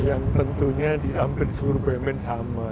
yang tentunya disamping seluruh bumn sama